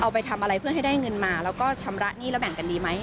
ไปทำอะไรเพื่อให้ได้เงินมาแล้วก็ชำระหนี้แล้วแบ่งกันดีไหม